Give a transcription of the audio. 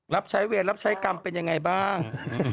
รับใช้เวรรับใช้กรรมเป็นยังไงบ้าง